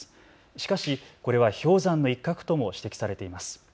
しかしこれは氷山の一角とも指摘されています。